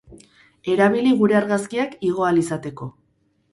Erabili gure argazkiak igo ahal izateko.